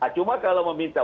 cuma kalau meminta